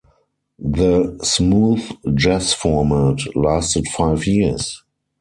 The Smooth Jazz format lasted five years.